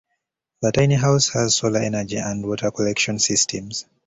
The Tiny House has solar energy and water collection systems.